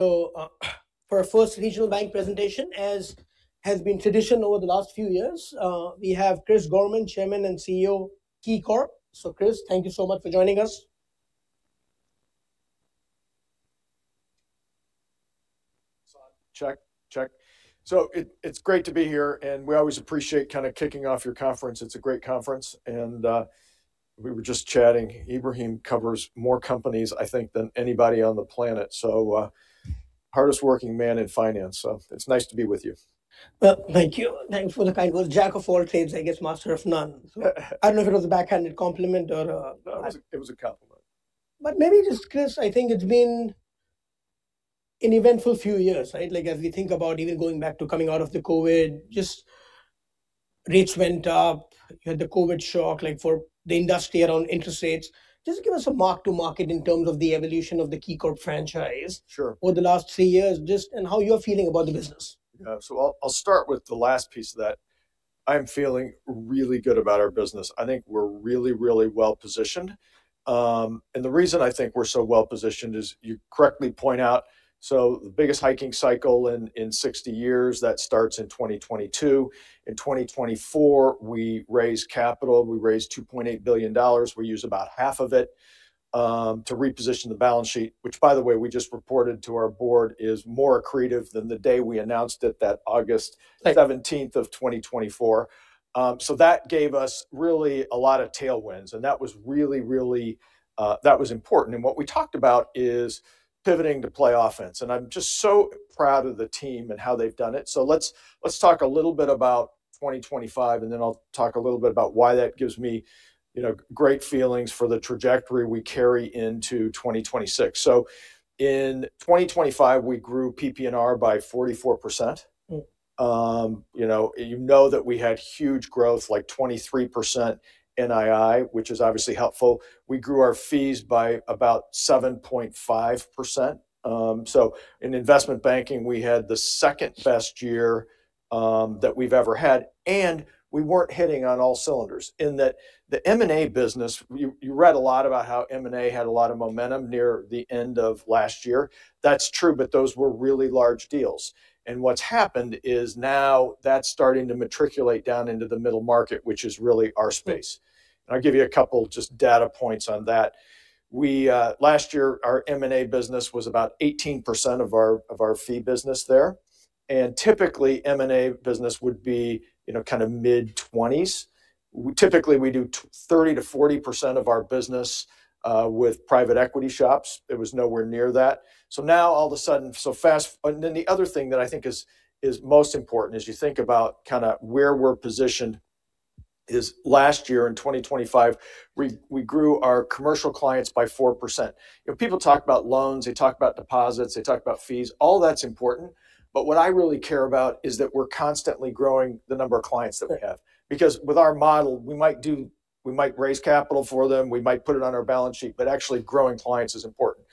So, for our first regional bank presentation, as has been tradition over the last few years, we have Chris Gorman, Chairman and CEO KeyCorp. So, Chris, thank you so much for joining us. So, check, check. So it's great to be here, and we always appreciate kind of kicking off your conference. It's a great conference, and we were just chatting. Ibrahim covers more companies, I think, than anybody on the planet, so hardest working man in finance. So it's nice to be with you. Well, thank you. Thanks for the kind word. Jack of all trades, I guess, master of none. So I don't know if it was a backhanded compliment or, It was a compliment. But maybe just, Chris, I think it's been an eventful few years, right? Like, as we think about even going back to coming out of the COVID, just rates went up, you had the COVID shock, like, for the industry around interest rates. Just give us a mark-to-market in terms of the evolution of the KeyCorp franchise. Sure. Over the last three years, just, and how you're feeling about the business? Yeah, so I'll start with the last piece of that. I'm feeling really good about our business. I think we're really, really well positioned. The reason I think we're so well positioned is you correctly point out, so the biggest hiking cycle in 60 years, that starts in 2022. In 2024, we raised capital. We raised $2.8 billion. We use about half of it, to reposition the balance sheet, which, by the way, we just reported to our board is more accretive than the day we announced it, that August 17th of 2024. That gave us really a lot of tailwinds, and that was really, really, that was important. What we talked about is pivoting to play offense, and I'm just so proud of the team and how they've done it. So let's talk a little bit about 2025, and then I'll talk a little bit about why that gives me, you know, great feelings for the trajectory we carry into 2026. So in 2025, we grew PPNR by 44%. You know, you know that we had huge growth, like 23% NII, which is obviously helpful. We grew our fees by about 7.5%. So in investment banking, we had the second best year that we've ever had, and we weren't firing on all cylinders in that the M&A business. You read a lot about how M&A had a lot of momentum near the end of last year. That's true, but those were really large deals. And what's happened is now that's starting to trickle down into the middle market, which is really our space. And I'll give you a couple just data points on that. We, last year, our M&A business was about 18% of our fee business there. Typically, M&A business would be, you know, kind of mid-20s. Typically, we do 30%-40% of our business with private equity shops. It was nowhere near that. So now all of a sudden, so fast. And then the other thing that I think is most important, as you think about kind of where we're positioned, is last year in 2025, we grew our commercial clients by 4%. You know, people talk about loans, they talk about deposits, they talk about fees. All that's important. But what I really care about is that we're constantly growing the number of clients that we have. Because with our model, we might raise capital for them, we might put it on our balance sheet, but actually growing clients is important.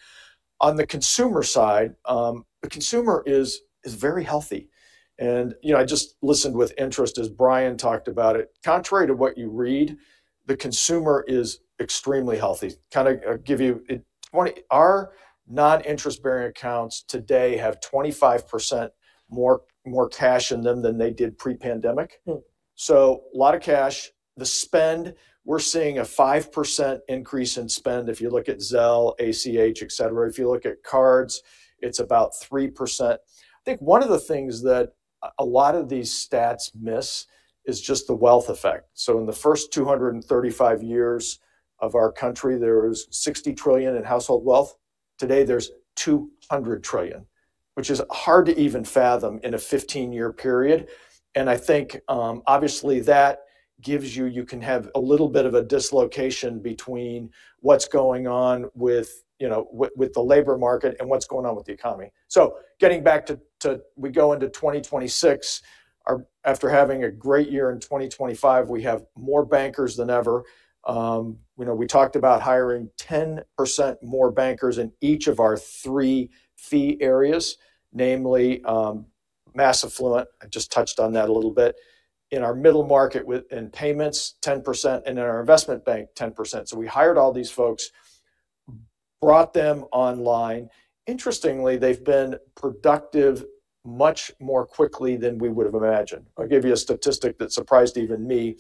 On the consumer side, the consumer is very healthy. And, you know, I just listened with interest as Brian talked about it. Contrary to what you read, the consumer is extremely healthy. Kind of give you our non-interest-bearing accounts today have 25% more cash in them than they did pre-pandemic. So a lot of cash. The spend, we're seeing a 5% increase in spend. If you look at Zelle, ACH, et cetera, if you look at cards, it's about 3%. I think one of the things that a lot of these stats miss is just the wealth effect. So in the first 235 years of our country, there was $60 trillion in household wealth. Today, there's $200 trillion, which is hard to even fathom in a 15-year period. And I think, obviously, that gives you, you can have a little bit of a dislocation between what's going on with, you know, with the labor market and what's going on with the economy. So getting back to, we go into 2026, after having a great year in 2025, we have more bankers than ever. You know, we talked about hiring 10% more bankers in each of our three fee areas, namely, mass affluent. I just touched on that a little bit, in our middle market with payments, 10%, and in our investment bank, 10%. So we hired all these folks, brought them online. Interestingly, they've been productive much more quickly than we would have imagined. I'll give you a statistic that surprised even me.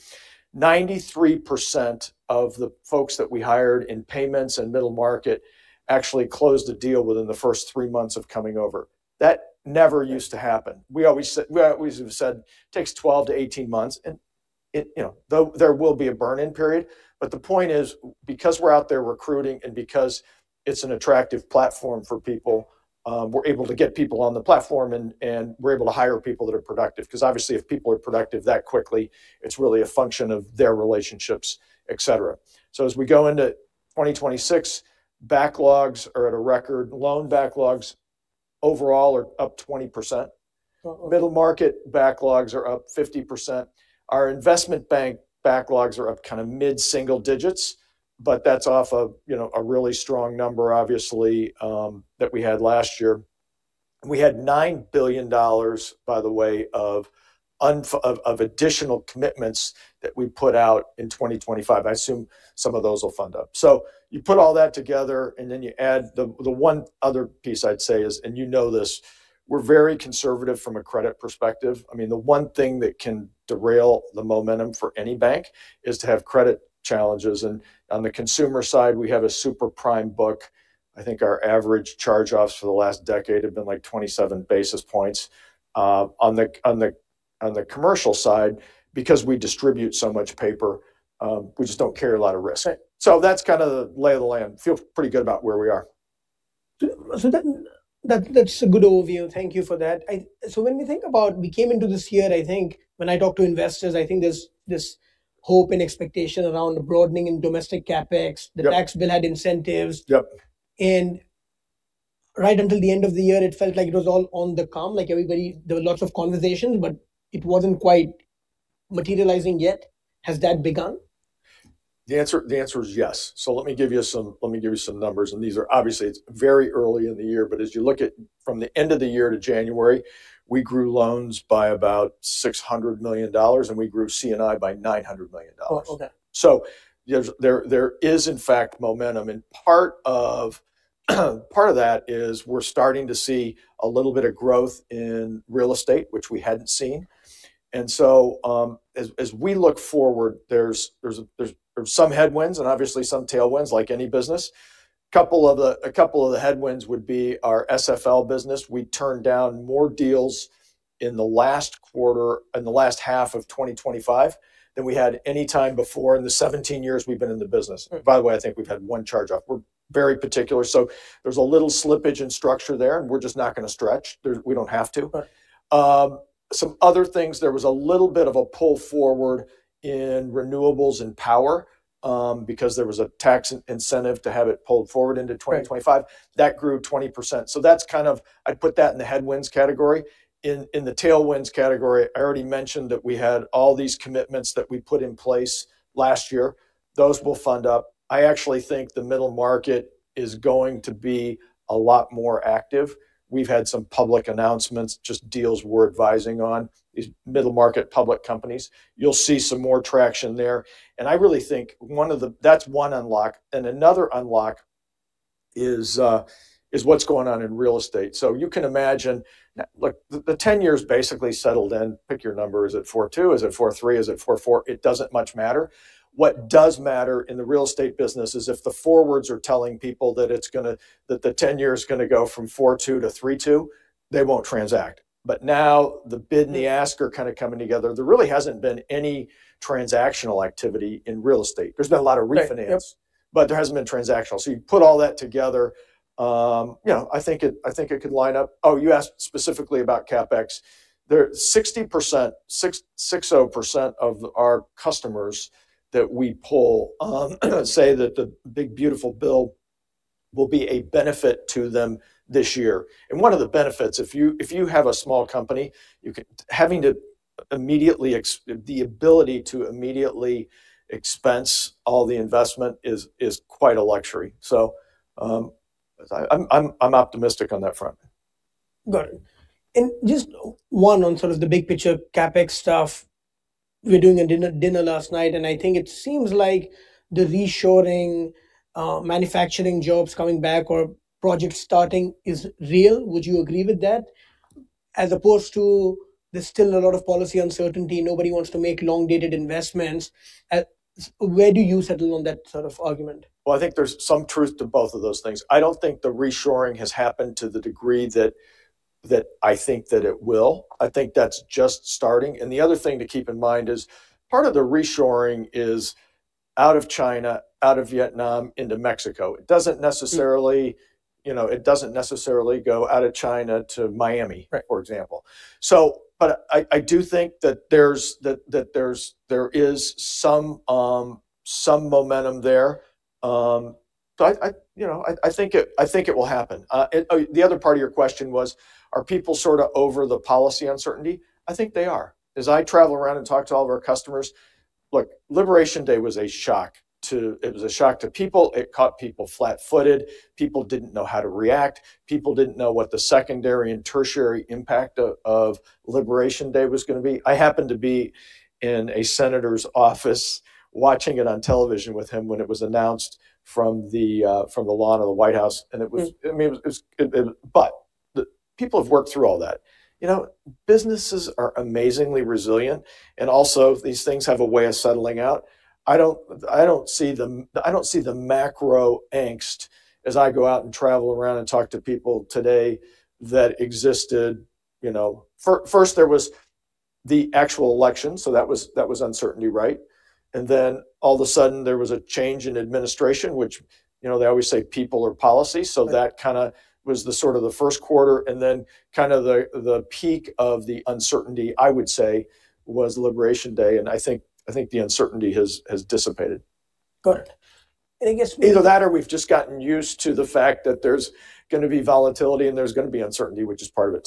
93% of the folks that we hired in payments and middle market actually closed a deal within the first three months of coming over. That never used to happen. We always said we always have said it takes 12-18 months, and it, you know, there will be a burn-in period. But the point is, because we're out there recruiting and because it's an attractive platform for people, we're able to get people on the platform and we're able to hire people that are productive. Because obviously, if people are productive that quickly, it's really a function of their relationships, et cetera. So as we go into 2026, backlogs are at a record. Loan backlogs overall are up 20%. Middle market backlogs are up 50%. Our investment bank backlogs are up kind of mid-single digits, but that's off of, you know, a really strong number, obviously, that we had last year. We had $9 billion, by the way, of additional commitments that we put out in 2025. I assume some of those will fund up. So you put all that together, and then you add the one other piece, I'd say, is, and you know this, we're very conservative from a credit perspective. I mean, the one thing that can derail the momentum for any bank is to have credit challenges. And on the consumer side, we have a super prime book. I think our average charge-offs for the last decade have been like 27 basis points. On the commercial side, because we distribute so much paper, we just don't carry a lot of risk. So that's kind of the lay of the land. Feel pretty good about where we are. So that's a good overview. Thank you for that. So when we think about we came into this year, I think, when I talk to investors, I think there's this hope and expectation around broadening in domestic CapEx, the tax bill had incentives. Yep. Right until the end of the year, it felt like it was all on the come. Like everybody there were lots of conversations, but it wasn't quite materializing yet. Has that begun? The answer is yes. So let me give you some numbers. And these are obviously, it's very early in the year, but as you look at from the end of the year to January, we grew loans by about $600 million, and we grew C&I by $900 million. So there is, in fact, momentum. And part of that is we're starting to see a little bit of growth in real estate, which we hadn't seen. And so, as we look forward, there's some headwinds and obviously some tailwinds, like any business. A couple of the headwinds would be our SFL business. We turned down more deals in the last quarter, in the last half of 2025, than we had anytime before in the 17 years we've been in the business. By the way, I think we've had one charge-off. We're very particular. So there's a little slippage in structure there, and we're just not going to stretch. We don't have to. Some other things, there was a little bit of a pull forward in renewables and power, because there was a tax incentive to have it pulled forward into 2025. That grew 20%. So that's kind of. I'd put that in the headwinds category. In the tailwinds category, I already mentioned that we had all these commitments that we put in place last year. Those will fund up. I actually think the middle market is going to be a lot more active. We've had some public announcements, just deals we're advising on, these middle market public companies. You'll see some more traction there. And I really think one of the. That's one unlock. And another unlock is what's going on in real estate. So you can imagine, look, the 10-year basically settled in. Pick your number. Is it four two? Is it four three? Is it four four? It doesn't much matter. What does matter in the real estate business is if the forwards are telling people that it's going to that the 10-year is going to go from 4.2 to 3.2, they won't transact. But now the bid and the ask are kind of coming together. There really hasn't been any transactional activity in real estate. There's been a lot of refinance, but there hasn't been transactional. So you put all that together. You know, I think it I think it could line up. Oh, you asked specifically about CapEx. There's 60%, 6.0% of our customers that we poll, say that the big, beautiful bill will be a benefit to them this year. One of the benefits, if you have a small company, you can have the ability to immediately expense all the investment is quite a luxury. So, I'm optimistic on that front. Got it. Just one on sort of the big picture CapEx stuff. We were doing a dinner last night, and I think it seems like the reshoring, manufacturing jobs coming back or projects starting is real. Would you agree with that? As opposed to, there's still a lot of policy uncertainty, nobody wants to make long-dated investments. Where do you settle on that sort of argument? Well, I think there's some truth to both of those things. I don't think the reshoring has happened to the degree that I think that it will. I think that's just starting. And the other thing to keep in mind is part of the reshoring is out of China, out of Vietnam, into Mexico. It doesn't necessarily, you know, it doesn't necessarily go out of China to Miami, for example. So but I do think that there is some momentum there. So I, you know, I think it will happen. The other part of your question was, are people sort of over the policy uncertainty? I think they are. As I travel around and talk to all of our customers, look, Liberation Day was a shock to people. It caught people flat-footed. People didn't know how to react. People didn't know what the secondary and tertiary impact of Liberation Day was going to be. I happened to be in a senator's office watching it on television with him when it was announced from the lawn of the White House. And it was, I mean, it was, but the people have worked through all that. You know, businesses are amazingly resilient, and also these things have a way of settling out. I don't see the macro angst, as I go out and travel around and talk to people today, that existed. You know, first, there was the actual election, so that was uncertainty, right? And then all of a sudden, there was a change in administration, which, you know, they always say people or policy. So that kind of was the sort of the first quarter. And then kind of the peak of the uncertainty, I would say, was Liberation Day. And I think the uncertainty has dissipated. Got it. And I guess. Either that or we've just gotten used to the fact that there's going to be volatility and there's going to be uncertainty, which is part of it,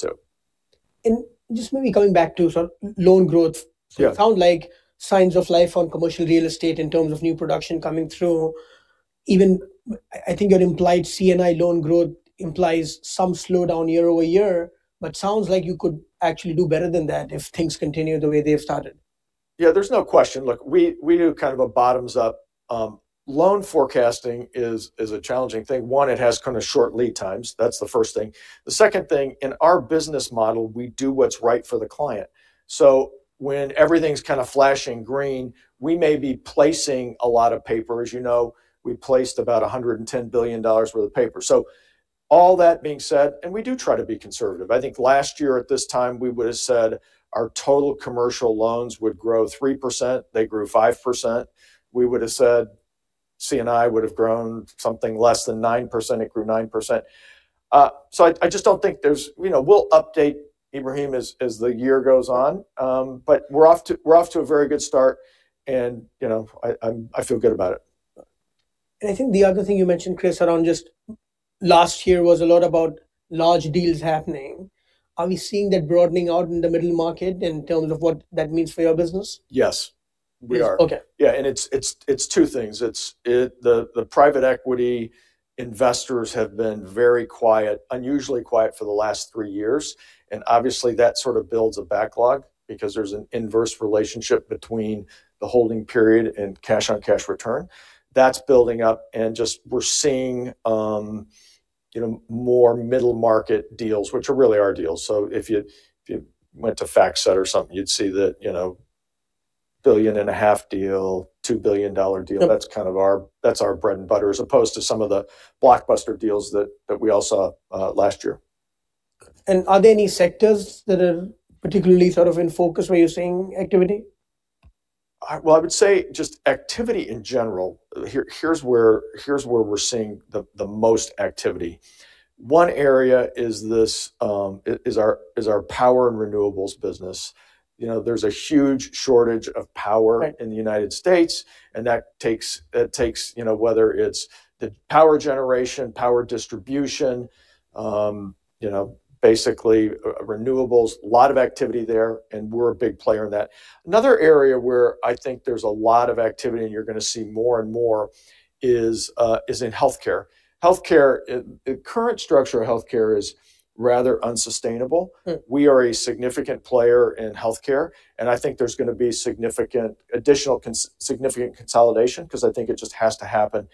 too. Just maybe going back to sort of loan growth, it sounds like signs of life on commercial real estate in terms of new production coming through. Even I think your implied C&I loan growth implies some slowdown year-over-year, but sounds like you could actually do better than that if things continue the way they've started. Yeah, there's no question. Look, we do kind of a bottoms-up. Loan forecasting is a challenging thing. One, it has kind of short lead times. That's the first thing. The second thing, in our business model, we do what's right for the client. So when everything's kind of flashing green, we may be placing a lot of paper. As you know, we placed about $110 billion worth of paper. So all that being said, and we do try to be conservative. I think last year, at this time, we would have said our total commercial loans would grow 3%. They grew 5%. We would have said C&I would have grown something less than 9%. It grew 9%. So I just don't think there's you know, we'll update, Ibrahim, as the year goes on. But we're off to a very good start. And, you know, I feel good about it. I think the other thing you mentioned, Chris, around just last year was a lot about large deals happening. Are we seeing that broadening out in the middle market in terms of what that means for your business? Yes, we are. Yeah. It's two things. The private equity investors have been very quiet, unusually quiet for the last three years. Obviously, that sort of builds a backlog because there's an inverse relationship between the holding period and cash-on-cash return. That's building up. Just we're seeing, you know, more middle market deals, which are really our deals. So if you went to FactSet or something, you'd see that, you know, $1.5 billion deal, $2 billion deal. That's kind of our bread and butter, as opposed to some of the blockbuster deals that we all saw last year. Are there any sectors that are particularly sort of in focus where you're seeing activity? Well, I would say just activity in general, here's where we're seeing the most activity. One area is our power and renewables business. You know, there's a huge shortage of power in the United States, and that takes you know, whether it's the power generation, power distribution, you know, basically renewables, a lot of activity there, and we're a big player in that. Another area where I think there's a lot of activity and you're going to see more and more is in healthcare. Healthcare, the current structure of healthcare is rather unsustainable. We are a significant player in healthcare, and I think there's going to be significant additional significant consolidation because I think it just has to happen.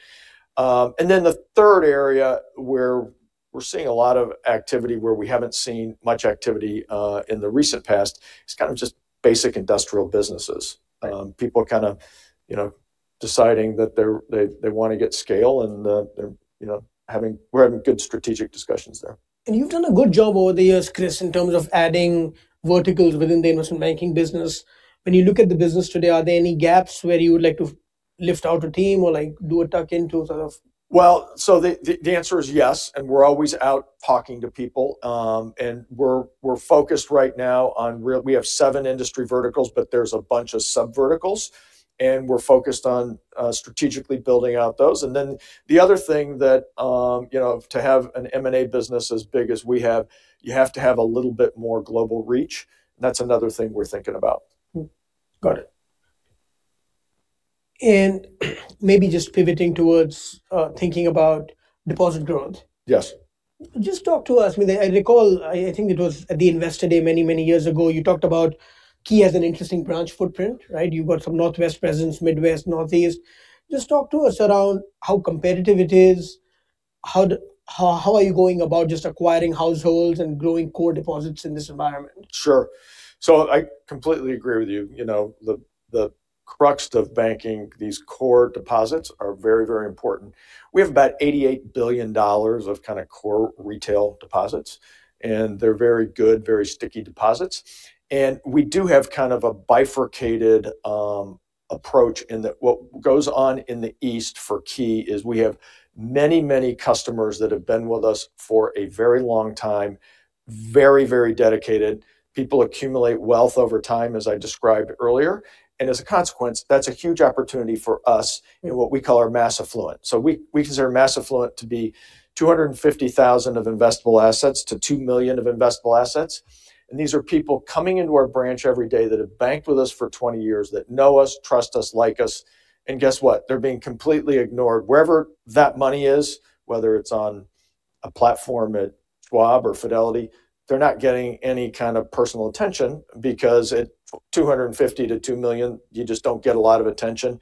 And then the third area where we're seeing a lot of activity where we haven't seen much activity in the recent past is kind of just basic industrial businesses. People kind of, you know, deciding that they want to get scale and, you know, we're having good strategic discussions there. You've done a good job over the years, Chris, in terms of adding verticals within the investment banking business. When you look at the business today, are there any gaps where you would like to lift out a team or like do a tuck-in to sort of? Well, so the answer is yes, and we're always out talking to people. And we're focused right now on, really, we have seven industry verticals, but there's a bunch of subverticals. And we're focused on strategically building out those. And then the other thing that, you know, to have an M&A business as big as we have, you have to have a little bit more global reach. And that's another thing we're thinking about. Got it. Maybe just pivoting towards thinking about deposit growth. Yes. Just talk to us. I mean, I recall I think it was at the Investor Day many, many years ago, you talked about Key has an interesting branch footprint, right? You've got some Northwest presence, Midwest, Northeast. Just talk to us around how competitive it is. How are you going about just acquiring households and growing core deposits in this environment? Sure. So I completely agree with you. You know, the crux of banking, these core deposits are very, very important. We have about $88 billion of kind of core retail deposits, and they're very good, very sticky deposits. And we do have kind of a bifurcated approach in that what goes on in the East for Key is we have many, many customers that have been with us for a very long time, very, very dedicated. People accumulate wealth over time, as I described earlier. And as a consequence, that's a huge opportunity for us in what we call our mass affluent. So we consider mass affluent to be $250,000-$2 million of investable assets. And these are people coming into our branch every day that have banked with us for 20 years, that know us, trust us, like us. And guess what? They're being completely ignored. Wherever that money is, whether it's on a platform at Schwab or Fidelity, they're not getting any kind of personal attention because at $250,000-$2 million, you just don't get a lot of attention.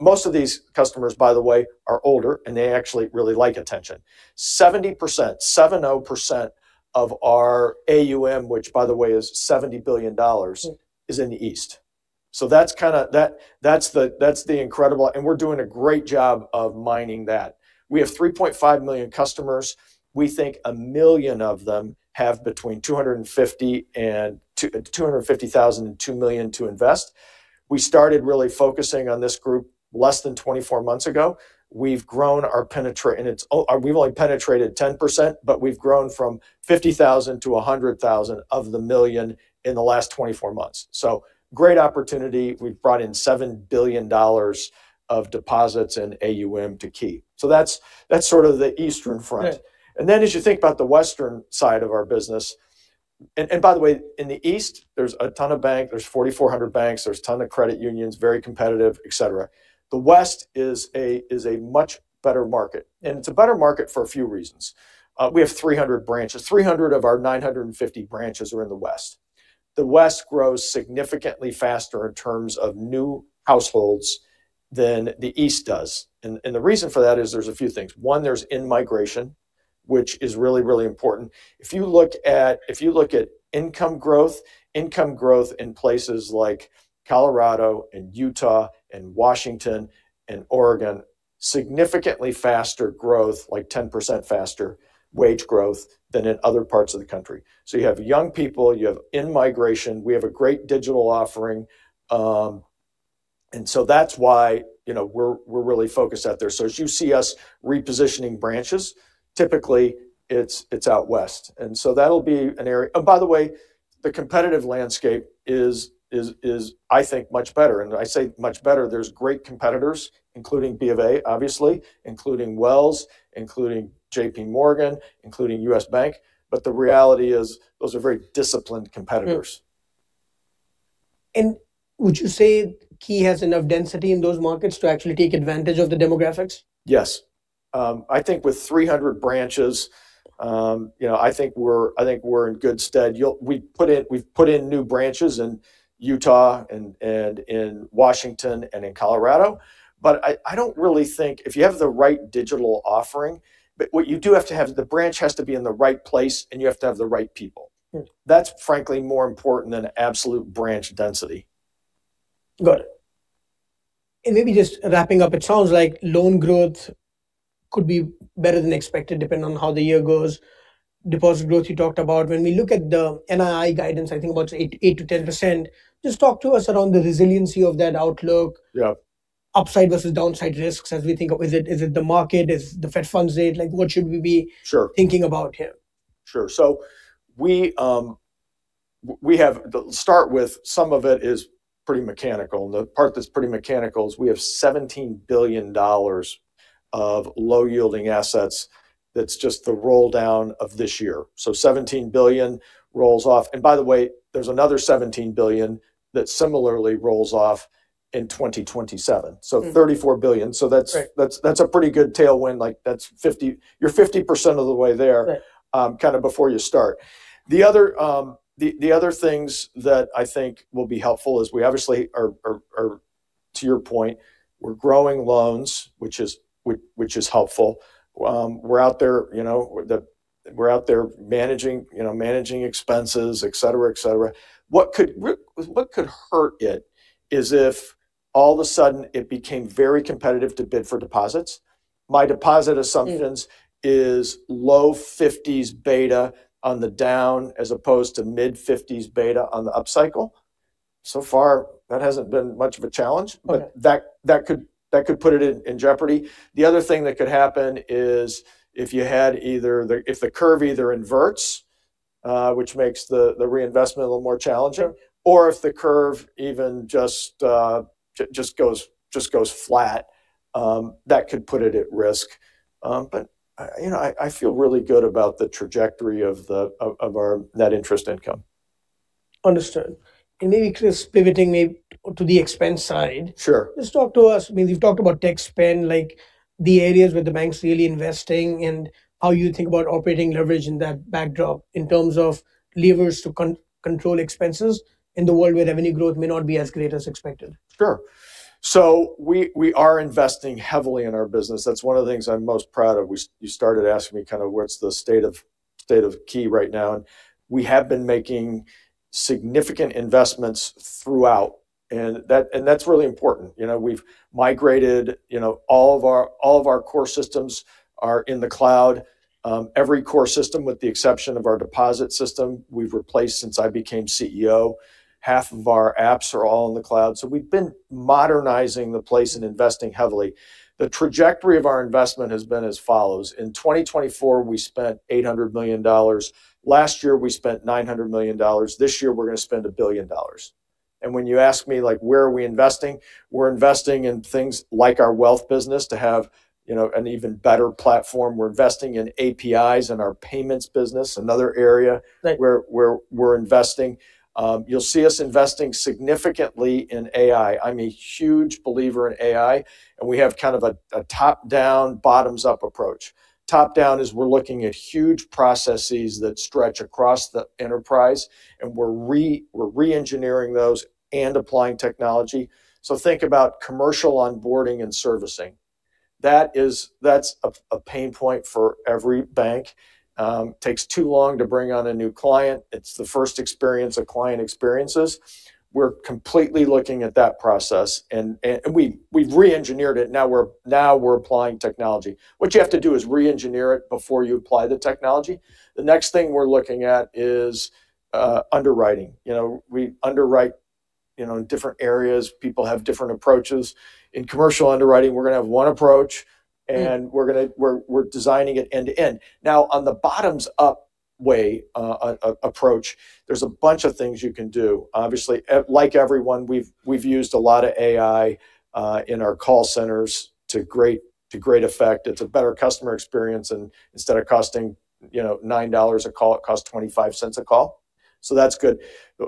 Most of these customers, by the way, are older, and they actually really like attention. 70% of our AUM, which, by the way, is $70 billion, is in the East. So that's kind of the incredible and we're doing a great job of mining that. We have 3.5 million customers. We think 1 million of them have between $250,000 and $2 million to invest. We started really focusing on this group less than 24 months ago. We've grown our penetration and we've only penetrated 10%, but we've grown from 50,000-100,000 of the 1 million in the last 24 months. So great opportunity. We've brought in $7 billion of deposits in AUM to Key. So that's sort of the eastern front. And then as you think about the Western side of our business and by the way, in the East, there's a ton of banks. There's 4,400 banks. There's a ton of credit unions, very competitive, et cetera. The West is a much better market. And it's a better market for a few reasons. We have 300 branches. 300 of our 950 branches are in the West. The West grows significantly faster in terms of new households than the East does. And the reason for that is there's a few things. One, there's in-migration, which is really, really important. If you look at income growth, income growth in places like Colorado and Utah and Washington and Oregon, significantly faster growth, like 10% faster wage growth than in other parts of the country. So you have young people. You have in-migration. We have a great digital offering. And so that's why we're really focused out there. So as you see us repositioning branches, typically, it's out West. And so that'll be an area and by the way, the competitive landscape is, I think, much better. And I say much better. There's great competitors, including B of A, obviously, including Wells, including J.P. Morgan, including U.S. Bank. But the reality is those are very disciplined competitors. Would you say Key has enough density in those markets to actually take advantage of the demographics? Yes. I think with 300 branches, you know, I think we're in good stead. We've put in new branches in Utah and in Washington and in Colorado. But I don't really think if you have the right digital offering, but what you do have to have the branch has to be in the right place, and you have to have the right people. That's, frankly, more important than absolute branch density. Got it. Maybe just wrapping up, it sounds like loan growth could be better than expected depending on how the year goes. Deposit growth, you talked about. When we look at the NII guidance, I think about 8%-10%. Just talk to us around the resiliency of that outlook, upside versus downside risks as we think of. Is it the market? Is the Fed funds rate? Like, what should we be thinking about here? Sure. So we have to start with some of it is pretty mechanical. And the part that's pretty mechanical is we have $17 billion of low-yielding assets. That's just the roll-down of this year. So $17 billion rolls off. And by the way, there's another $17 billion that similarly rolls off in 2027. So $34 billion. So that's a pretty good tailwind. Like, that's 50% of the way there, kind of before you start. The other things that I think will be helpful is we obviously are, to your point, we're growing loans, which is helpful. We're out there, you know, we're out there managing expenses, et cetera, et cetera. What could hurt it is if all of a sudden it became very competitive to bid for deposits. My deposit assumptions is low 50s beta on the down as opposed to mid 50s beta on the upcycle. So far, that hasn't been much of a challenge, but that could put it in jeopardy. The other thing that could happen is if you had either the curve inverts, which makes the reinvestment a little more challenging, or if the curve even just goes flat, that could put it at risk. But, you know, I feel really good about the trajectory of that interest income. Understood. And maybe, Chris, pivoting maybe to the expense side, just talk to us. I mean, you've talked about tech spend, like the areas where the banks are really investing and how you think about operating leverage in that backdrop in terms of levers to control expenses in the world where revenue growth may not be as great as expected. Sure. So we are investing heavily in our business. That's one of the things I'm most proud of. You started asking me kind of what's the state of Key right now. And we have been making significant investments throughout, and that's really important. You know, we've migrated. You know, all of our core systems are in the cloud. Every core system, with the exception of our deposit system, we've replaced since I became CEO. Half of our apps are all in the cloud. So we've been modernizing the place and investing heavily. The trajectory of our investment has been as follows. In 2024, we spent $800 million. Last year, we spent $900 million. This year, we're going to spend $1 billion. And when you ask me, like, where are we investing? We're investing in things like our wealth business to have an even better platform. We're investing in APIs and our payments business, another area where we're investing. You'll see us investing significantly in AI. I'm a huge believer in AI, and we have kind of a top-down, bottoms-up approach. Top-down is we're looking at huge processes that stretch across the enterprise, and we're re-engineering those and applying technology. Think about commercial onboarding and servicing. That's a pain point for every bank. It takes too long to bring on a new client. It's the first experience a client experiences. We're completely looking at that process, and we've re-engineered it. Now we're applying technology. What you have to do is re-engineer it before you apply the technology. The next thing we're looking at is underwriting. You know, we underwrite in different areas. People have different approaches. In commercial underwriting, we're going to have one approach, and we're designing it end to end. Now, on the bottoms-up way approach, there's a bunch of things you can do. Obviously, like everyone, we've used a lot of AI in our call centers to great effect. It's a better customer experience. And instead of costing $9 a call, it costs $0.25 a call. So that's good.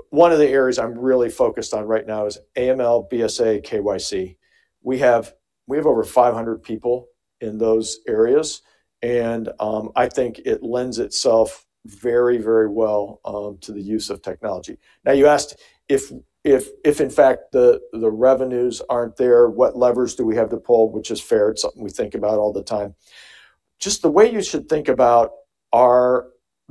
One of the areas I'm really focused on right now is AML, BSA, KYC. We have over 500 people in those areas, and I think it lends itself very, very well to the use of technology. Now, you asked if, in fact, the revenues aren't there, what levers do we have to pull, which is fair. It's something we think about all the time. Just the way you should think about our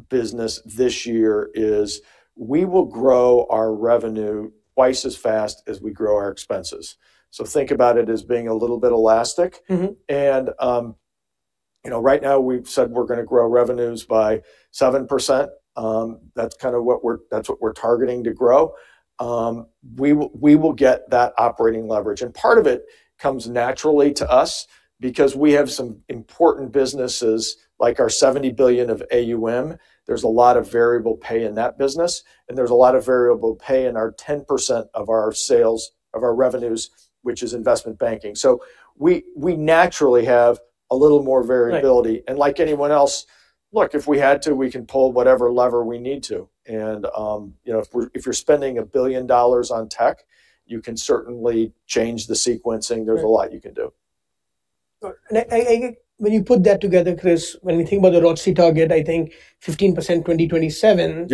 business this year is we will grow our revenue twice as fast as we grow our expenses. So think about it as being a little bit elastic. You know, right now, we've said we're going to grow revenues by 7%. That's kind of what we're targeting to grow. We will get that operating leverage. And part of it comes naturally to us because we have some important businesses, like our $70 billion of AUM. There's a lot of variable pay in that business, and there's a lot of variable pay in our 10% of our revenues, which is investment banking. So we naturally have a little more variability. And like anyone else, look, if we had to, we can pull whatever lever we need to. And, you know, if you're spending $1 billion on tech, you can certainly change the sequencing. There's a lot you can do. When you put that together, Chris, when we think about the ROTCE target, I think 15% 2027,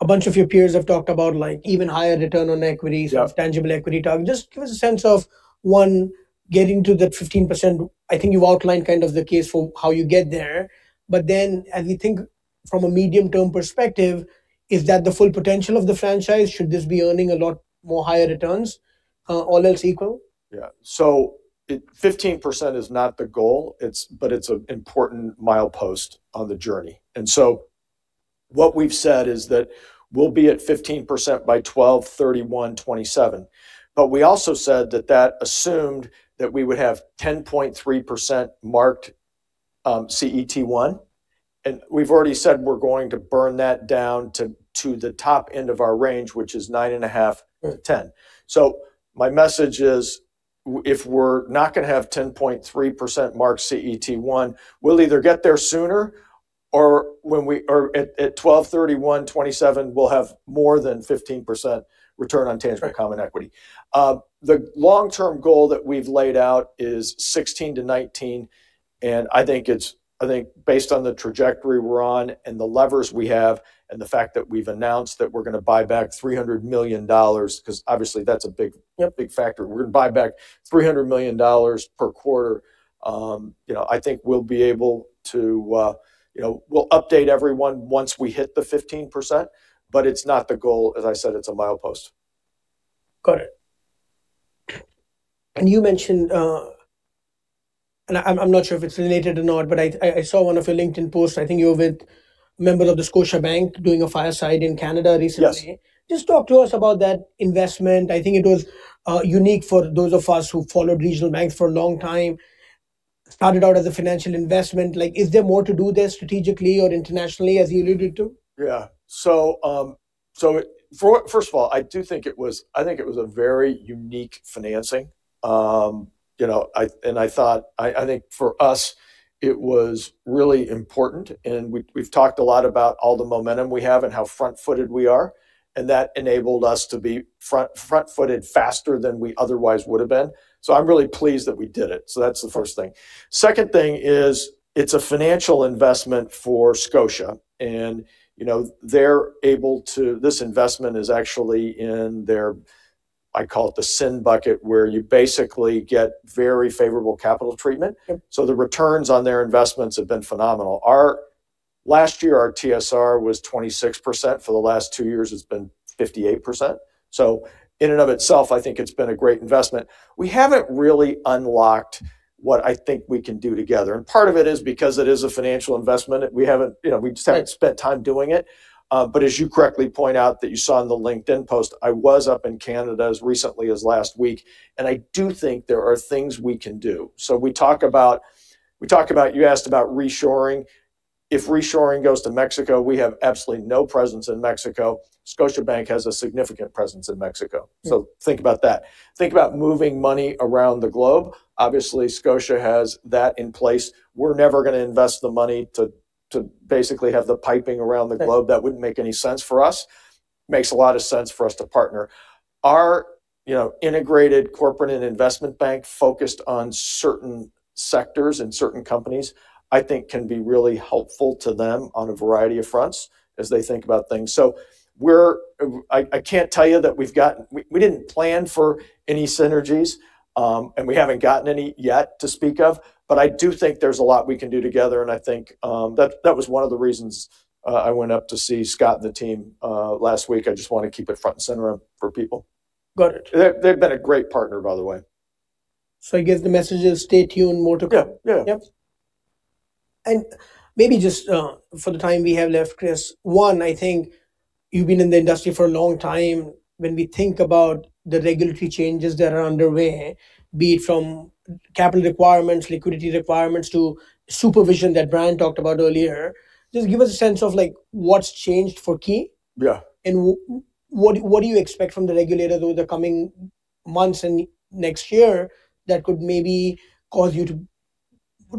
a bunch of your peers have talked about, like, even higher return on equity, sort of tangible equity target. Just give us a sense of, one, getting to that 15%. I think you've outlined kind of the case for how you get there. But then as we think from a medium-term perspective, is that the full potential of the franchise? Should this be earning a lot more higher returns, all else equal? Yeah. So 15% is not the goal, but it's an important milepost on the journey. And so what we've said is that we'll be at 15% by 12/31/2027. But we also said that that assumed that we would have 10.3% marked CET1. And we've already said we're going to burn that down to the top end of our range, which is 9.5%-10%. So my message is if we're not going to have 10.3% marked CET1, we'll either get there sooner or at 12/31/2027, we'll have more than 15% return on tangible common equity. The long-term goal that we've laid out is 16%-19%. And I think based on the trajectory we're on and the levers we have and the fact that we've announced that we're going to buy back $300 million because obviously, that's a big factor. We're going to buy back $300 million per quarter. You know, I think we'll be able to, you know, we'll update everyone once we hit the 15%. But it's not the goal. As I said, it's a milepost. Got it. You mentioned, and I'm not sure if it's related or not, but I saw one of your LinkedIn posts. I think you were with a member of the Scotiabank doing a fireside in Canada recently. Just talk to us about that investment. I think it was unique for those of us who followed regional banks for a long time. Started out as a financial investment. Like, is there more to do there strategically or internationally, as you alluded to? Yeah. So first of all, I do think it was a very unique financing. You know, and I thought for us, it was really important. And we've talked a lot about all the momentum we have and how front-footed we are. And that enabled us to be front-footed faster than we otherwise would have been. So I'm really pleased that we did it. So that's the first thing. Second thing is it's a financial investment for Scotia. And, you know, this investment is actually in their, I call it the SI bucket, where you basically get very favorable capital treatment. So the returns on their investments have been phenomenal. Last year, our TSR was 26%. For the last two years, it's been 58%. So in and of itself, I think it's been a great investment. We haven't really unlocked what I think we can do together. Part of it is because it is a financial investment. We haven't, you know, we just haven't spent time doing it. But as you correctly point out that you saw in the LinkedIn post, I was up in Canada as recently as last week. I do think there are things we can do. So we talk about you asked about reshoring. If reshoring goes to Mexico, we have absolutely no presence in Mexico. Scotiabank has a significant presence in Mexico. So think about that. Think about moving money around the globe. Obviously, Scotia has that in place. We're never going to invest the money to basically have the piping around the globe. That wouldn't make any sense for us. Makes a lot of sense for us to partner. Our integrated corporate and investment bank focused on certain sectors and certain companies, I think, can be really helpful to them on a variety of fronts as they think about things. So I can't tell you that we've gotten. We didn't plan for any synergies, and we haven't gotten any yet to speak of. But I do think there's a lot we can do together. And I think that was one of the reasons I went up to see Scott and the team last week. I just want to keep it front and center for people. Got it. They've been a great partner, by the way. I guess the message is stay tuned, more to come. Yeah. Yeah. Maybe just for the time we have left, Chris, one, I think you've been in the industry for a long time. When we think about the regulatory changes that are underway, be it from capital requirements, liquidity requirements, to supervision that Brian talked about earlier, just give us a sense of, like, what's changed for Key? Yeah. What do you expect from the regulators over the coming months and next year that could maybe cause you to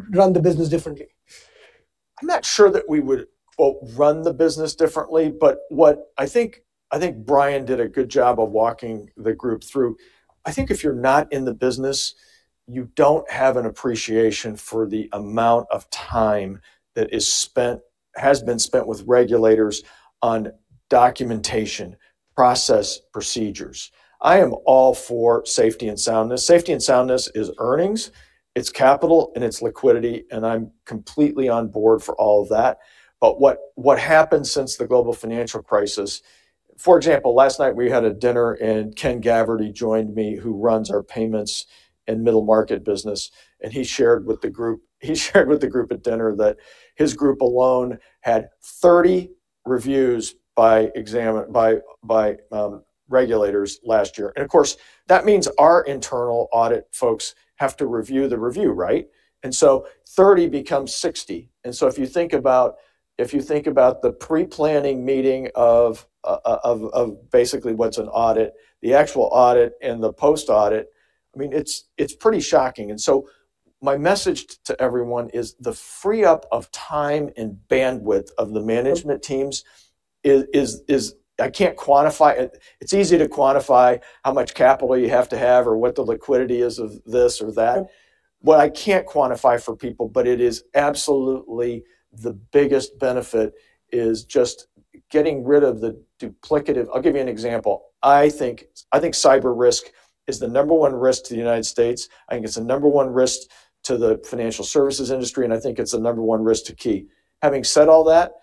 run the business differently? I'm not sure that we would, well, run the business differently. But what I think Brian did a good job of walking the group through. I think if you're not in the business, you don't have an appreciation for the amount of time that has been spent with regulators on documentation, process, procedures. I am all for safety and soundness. Safety and soundness is earnings. It's capital, and it's liquidity. And I'm completely on board for all of that. But what happened since the global financial crisis for example, last night, we had a dinner, and Ken Gavrity joined me, who runs our payments and middle market business. And he shared with the group at dinner that his group alone had 30 reviews by regulators last year. And of course, that means our internal audit folks have to review the review, right? And so 30 becomes 60. And so if you think about if you think about the pre-planning meeting of basically what's an audit, the actual audit and the post-audit, I mean, it's pretty shocking. And so my message to everyone is the free-up of time and bandwidth of the management teams is I can't quantify it's easy to quantify how much capital you have to have or what the liquidity is of this or that. What I can't quantify for people, but it is absolutely the biggest benefit, is just getting rid of the duplicative I'll give you an example. I think cyber risk is the number one risk to the United States. I think it's the number one risk to the financial services industry. And I think it's the number one risk to Key. Having said all that,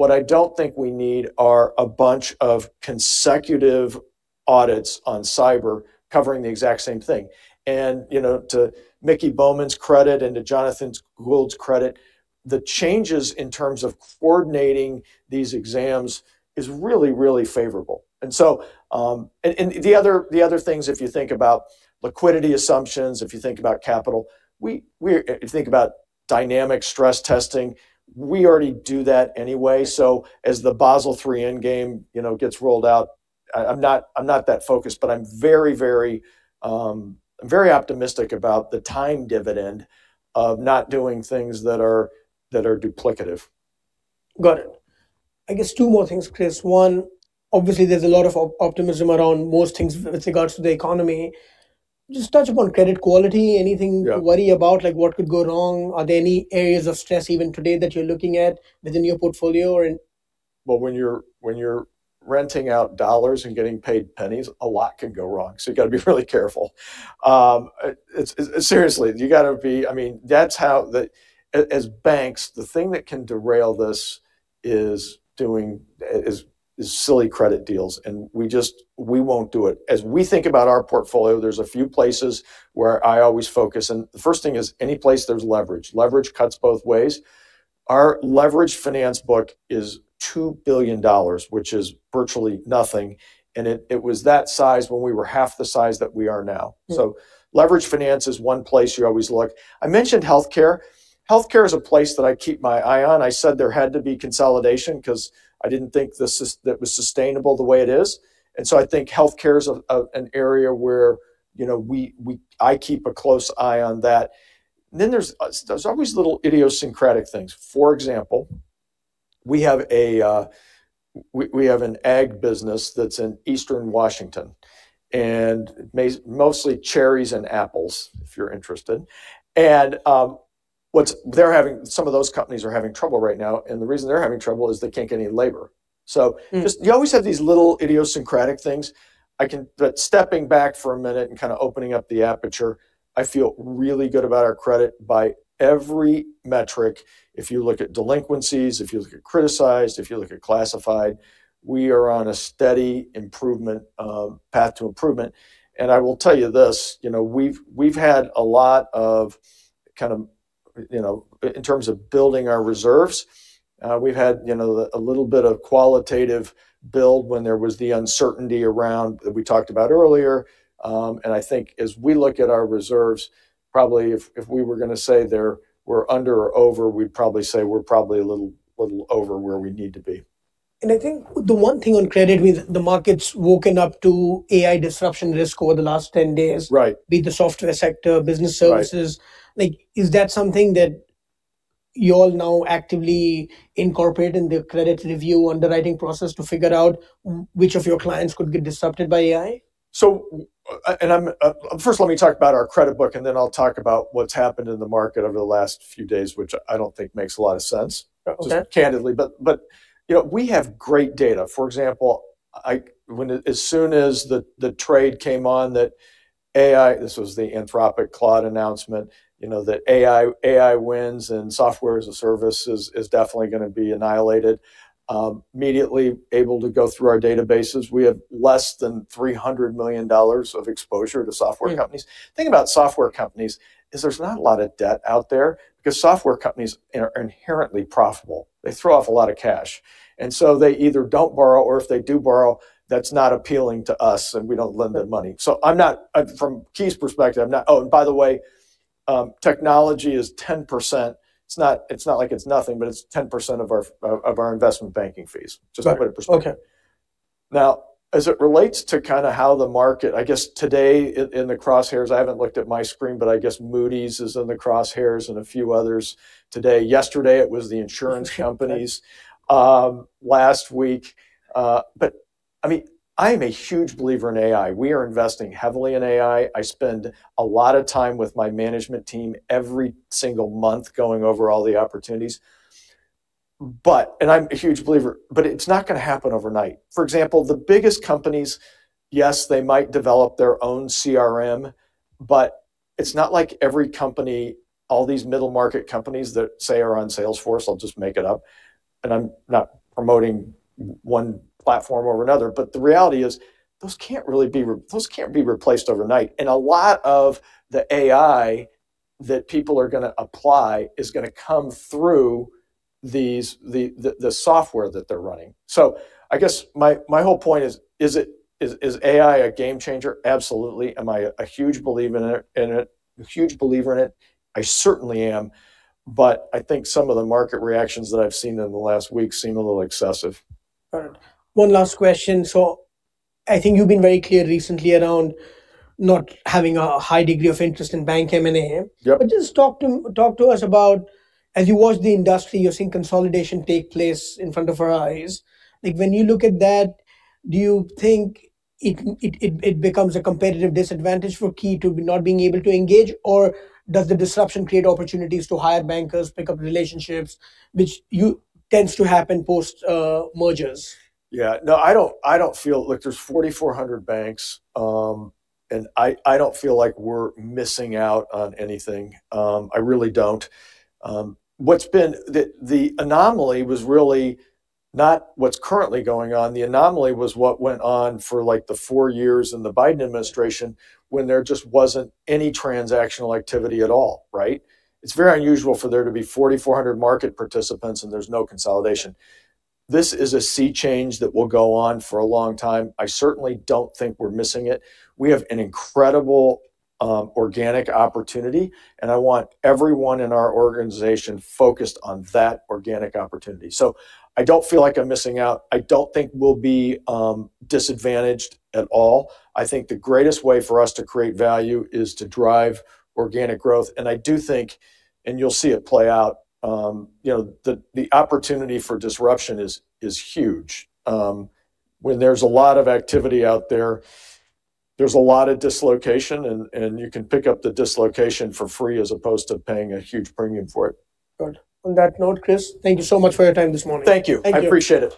what I don't think we need are a bunch of consecutive audits on cyber covering the exact same thing. And, you know, to Miki Bowman's credit and to Jonathan Gould's credit, the changes in terms of coordinating these exams is really, really favorable. And so the other things, if you think about liquidity assumptions, if you think about capital, if you think about dynamic stress testing, we already do that anyway. So as the Basel III Endgame gets rolled out, I'm not that focused. But I'm very, very optimistic about the time dividend of not doing things that are duplicative. Got it. I guess two more things, Chris. One, obviously, there's a lot of optimism around most things with regards to the economy. Just touch upon credit quality. Anything to worry about? Like, what could go wrong? Are there any areas of stress even today that you're looking at within your portfolio or in. Well, when you're renting out dollars and getting paid pennies, a lot can go wrong. So you've got to be really careful. Seriously, you've got to be. I mean, that's how, as banks, the thing that can derail this is doing silly credit deals. And we just won't do it. As we think about our portfolio, there's a few places where I always focus. And the first thing is any place there's leverage. Leverage cuts both ways. Our leveraged finance book is $2 billion, which is virtually nothing. And it was that size when we were half the size that we are now. So leveraged finance is one place you always look. I mentioned health care. Health care is a place that I keep my eye on. I said there had to be consolidation because I didn't think that was sustainable the way it is. And so I think health care is an area where, you know, I keep a close eye on that. And then there's always little idiosyncratic things. For example, we have an ag business that's in Eastern Washington. And it makes mostly cherries and apples, if you're interested. And they're having some of those companies are having trouble right now. And the reason they're having trouble is they can't get any labor. So you always have these little idiosyncratic things. But stepping back for a minute and kind of opening up the aperture, I feel really good about our credit by every metric. If you look at delinquencies, if you look at criticized, if you look at classified, we are on a steady improvement path to improvement. I will tell you this, you know, we've had a lot of kind of, you know, in terms of building our reserves, we've had, you know, a little bit of qualitative build when there was the uncertainty around that we talked about earlier. I think as we look at our reserves, probably if we were going to say they're under or over, we'd probably say we're probably a little over where we need to be. I think the one thing on credit with the markets woken up to AI disruption risk over the last 10 days, be it the software sector, business services, like, is that something that you all now actively incorporate in the credit review underwriting process to figure out which of your clients could get disrupted by AI? First, let me talk about our credit book. Then I'll talk about what's happened in the market over the last few days, which I don't think makes a lot of sense, just candidly. But, you know, we have great data. For example, as soon as the trade came on that AI, this was the Anthropic Claude announcement, you know, that AI wins and software as a service is definitely going to be annihilated, immediately able to go through our databases. We have less than $300 million of exposure to software companies. Think about software companies is there's not a lot of debt out there because software companies are inherently profitable. They throw off a lot of cash. And so they either don't borrow, or if they do borrow, that's not appealing to us. We don't lend them money. So I'm not from Key's perspective. I'm not. Oh, and by the way, technology is 10%. It's not like it's nothing, but it's 10% of our investment banking fees, just from a perspective. OK. Now, as it relates to kind of how the market I guess today in the crosshairs. I haven't looked at my screen, but I guess Moody's is in the crosshairs and a few others today. Yesterday, it was the insurance companies last week. But I mean, I am a huge believer in AI. We are investing heavily in AI. I spend a lot of time with my management team every single month going over all the opportunities. But, and I'm a huge believer. But it's not going to happen overnight. For example, the biggest companies, yes, they might develop their own CRM. But it's not like every company all these middle market companies that, say, are on Salesforce. I'll just make it up. And I'm not promoting one platform over another. But the reality is those can't really be replaced overnight. A lot of the AI that people are going to apply is going to come through the software that they're running. So I guess my whole point is, is it is AI a game changer? Absolutely. Am I a huge believer in it? A huge believer in it? I certainly am. But I think some of the market reactions that I've seen in the last week seem a little excessive. Got it. One last question. So I think you've been very clear recently around not having a high degree of interest in bank M&A. But just talk to us about as you watch the industry, you're seeing consolidation take place in front of our eyes. Like, when you look at that, do you think it becomes a competitive disadvantage for Key to not being able to engage? Or does the disruption create opportunities to hire bankers, pick up relationships, which tends to happen post-mergers? Yeah. No, I don't feel like, look, there's 4,400 banks. I don't feel like we're missing out on anything. I really don't. What's been the anomaly was really not what's currently going on. The anomaly was what went on for, like, the four years in the Biden administration when there just wasn't any transactional activity at all, right? It's very unusual for there to be 4,400 market participants, and there's no consolidation. This is a sea change that will go on for a long time. I certainly don't think we're missing it. We have an incredible organic opportunity. I want everyone in our organization focused on that organic opportunity. So I don't feel like I'm missing out. I don't think we'll be disadvantaged at all. I think the greatest way for us to create value is to drive organic growth. I do think and you'll see it play out you know, the opportunity for disruption is huge. When there's a lot of activity out there, there's a lot of dislocation. And you can pick up the dislocation for free as opposed to paying a huge premium for it. Got it. On that note, Chris, thank you so much for your time this morning. Thank you. I appreciate it.